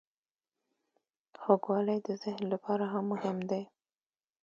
خوږوالی د ذهن لپاره هم مهم دی.